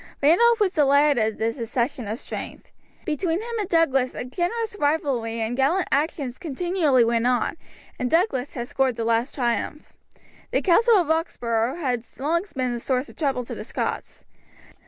Randolph was delighted at this accession of strength. Between him and Douglas a generous rivalry in gallant actions continually went on, and Douglas had scored the last triumph. The castle of Roxburgh had long been a source of trouble to the Scots.